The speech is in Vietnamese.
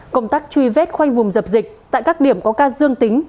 công tác truy vết khoanh vùng dập dịch tại các điểm có ca dương tính